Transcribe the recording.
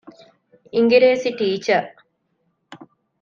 އިނގިރޭސި ޓީޗަރ